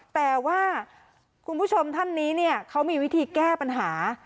แต่ว่าคุณผู้ชมท่านนี้เนี่ยเขามีวิธีแก้ปัญหา